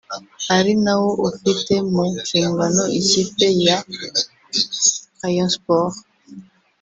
ari nawo ufite mu nshingano ikipe ya Rayon Sports